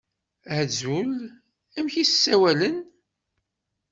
Azul, amek i m-ssawalen?